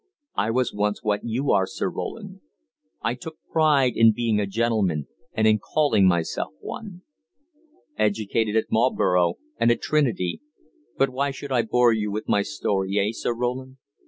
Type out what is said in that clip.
I was once what you are, Sir Roland; I took pride in being a gentleman and in calling myself one. Educated at Marlborough and at Trinity but why should I bore you with my story eh, Sir Roland?